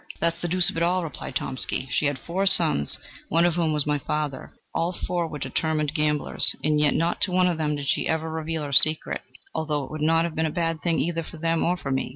"That's the deuce of it!" replied Tomsky: "she had four sons, one of whom was my father; all four were determined gamblers, and yet not to one of them did she ever reveal her secret, although it would not have been a bad thing either for them or for me.